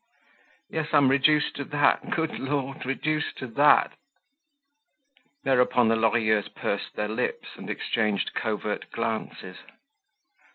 Yes, I'm reduced to that, good Lord—reduced to that!" Thereupon the Lorilleuxs pursed their lips and exchanged covert glances.